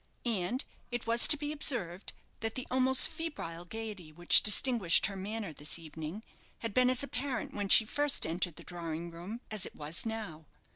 And it was to be observed that the almost febrile gaiety which distinguished her manner this evening had been as apparent when she first entered the drawing room as it was now.